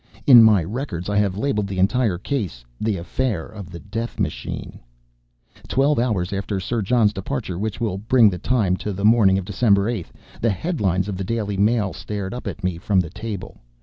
In my records I have labeled the entire case "The Affair of the Death Machine." Twelve hours after Sir John's departure which will bring the time, to the morning of December 8 the headlines of the Daily Mail stared up at me from the table.